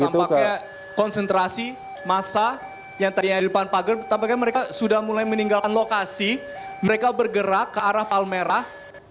tampaknya konsentrasi massa yang tadinya di depan pagar tampaknya mereka sudah mulai meninggalkan lokasi mereka bergerak ke arah palmerah